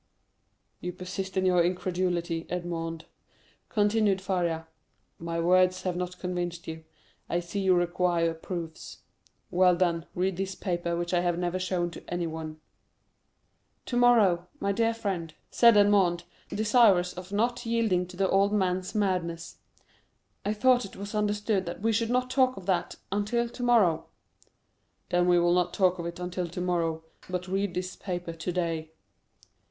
"You persist in your incredulity, Edmond," continued Faria. "My words have not convinced you. I see you require proofs. Well, then, read this paper, which I have never shown to anyone." "Tomorrow, my dear friend," said Edmond, desirous of not yielding to the old man's madness. "I thought it was understood that we should not talk of that until tomorrow." "Then we will not talk of it until tomorrow; but read this paper today."